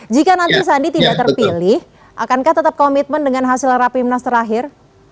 jika nanti sandi tidak terpilih akankah tetap komitmen dengan hasil rapimnas terakhir